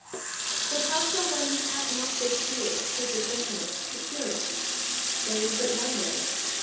But how shall one who has not this spirit of perfect gentleness secure it? There is but one way.